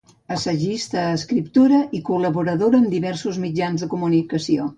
Assagista, escriptora i col·laboradora en diversos mitjans de comunicació.